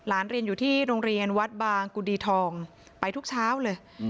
เรียนอยู่ที่โรงเรียนวัดบางกุดีทองไปทุกเช้าเลย